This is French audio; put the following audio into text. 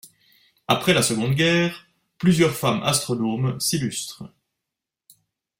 Après la Seconde Guerre, plusieurs femmes astronomes s'illustrent.